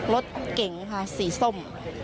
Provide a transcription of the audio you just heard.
รถเก๋งค่ะสีส้ม